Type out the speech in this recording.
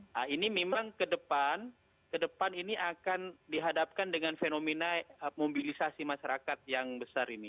nah ini memang ke depan ke depan ini akan dihadapkan dengan fenomena mobilisasi masyarakat yang besar ini